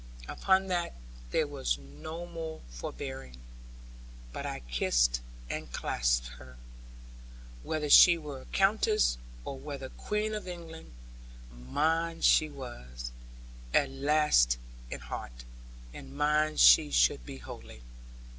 Upon that there was no more forbearing, but I kissed and clasped her, whether she were Countess, or whether Queen of England; mine she was, at least in heart; and mine she should be wholly.